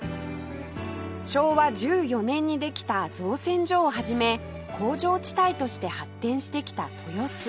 昭和１４年にできた造船所を始め工場地帯として発展してきた豊洲